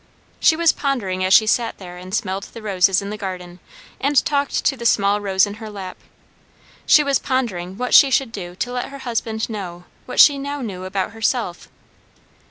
She was pondering as she sat there and smelled the roses in the garden and talked to the small Rose in her lap, she was pondering what she should do to let her husband know what she now knew about herself.